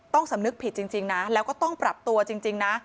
สำนึกผิดจริงนะแล้วก็ต้องปรับตัวจริงนะ